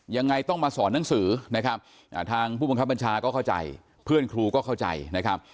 ยังไงต้องมาสอนหนังสือนะครับทางผู้บังคับบัญชาก็เข้าใจเพื่อนครูก็เข้าใจนะครับ